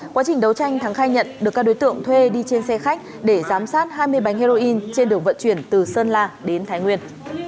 quá trình đấu tranh thắng khai nhận được các đối tượng thuê đi trên xe khách để giám sát hai mươi bánh heroin trên đường vận chuyển từ sơn la đến thái nguyên